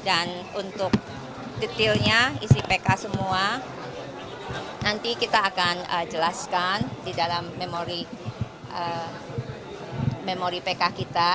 dan untuk detailnya isi pk semua nanti kita akan jelaskan di dalam memori pk kita